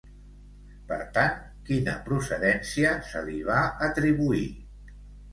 Per tant, quina procedència se li va atribuir?